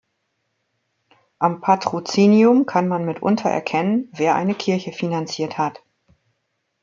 Am Patrozinium kann man mitunter erkennen, wer eine Kirche finanziert hat.